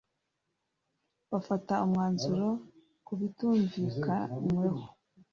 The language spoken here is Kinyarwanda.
bafate umwanzuro ku bitumvikanweho